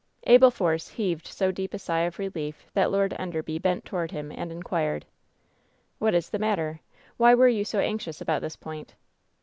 Abel Force heaved so deep a sigh of relief that Lord Enderby bent toward him and inquired : "What is the matter? Why were you bo anxious about this point